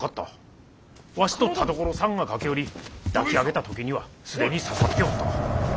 わしと田所さんが駆け寄り抱き上げた時には既に刺さっておった。